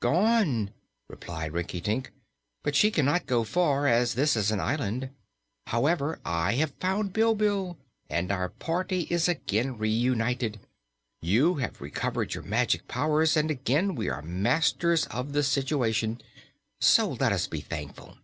"Gone," replied Rinkitink, "but she cannot go far, as this is an island. However, I have found Bilbil, and our party is again reunited. You have recovered your magic powers, and again we are masters of the situation. So let us be thankful."